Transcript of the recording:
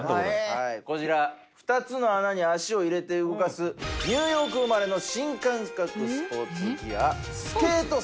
こちら２つの穴に足を入れて動かすニューヨーク生まれの。